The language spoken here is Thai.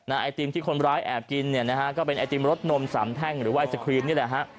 ไอติมที่คนร้ายแอบกินก็เป็นไอติมรสนมสำแท่งหรือไอศครีมนี่แหละ